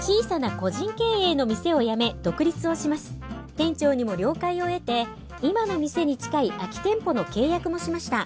店長にも了解を得て今の店に近い空き店舗の契約もしました。